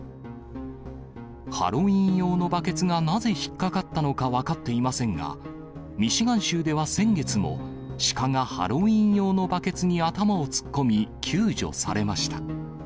ハロウィーン用のバケツがなぜ引っかかったのか分かっていませんが、ミシガン州では先月も、シカがハロウィーン用のバケツに頭を突っ込み、救助されました。